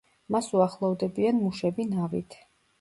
მას უახლოვდებიან მუშები ნავით.